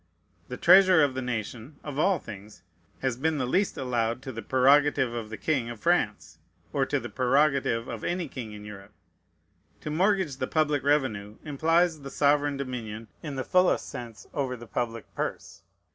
The treasure of the nation, of all things, has been the least allowed to the prerogative of the king of France, or to the prerogative of any king in Europe. To mortgage the public revenue implies the sovereign dominion, in the fullest sense, over the public purse.